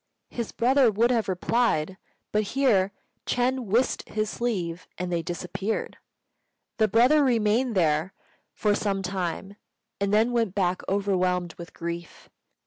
His brother would have replied; but here Ch'êng whisked his sleeve, and they disappeared. The brother remained there for some time, and then went back overwhelmed with grief.